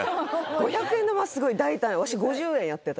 ５００円玉はすごい大胆やわし５０円やってた